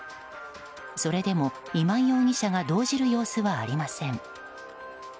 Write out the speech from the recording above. それでも今井容疑者が動じる様子はありません。